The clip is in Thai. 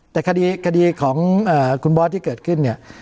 แต่คดีของคุณบอสที่เกิดขึ้นเนี่ย